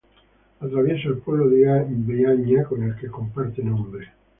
Atraviesa el pueblo de Viaña, con el que comparte nombre.